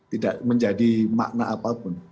tidak menjadi makna apapun